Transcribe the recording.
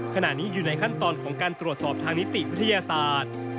ขณะนี้อยู่ในขั้นตอนของการตรวจสอบทางนิติวิทยาศาสตร์